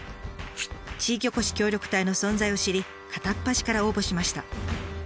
地域おこし協力隊の存在を知り片っ端から応募しました。